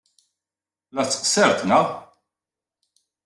La tettqeṣṣired, naɣ?